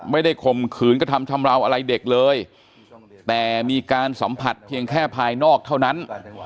ข่มขืนกระทำชำราวอะไรเด็กเลยแต่มีการสัมผัสเพียงแค่ภายนอกเท่านั้น